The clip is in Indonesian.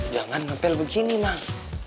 jangan ngepel begini mang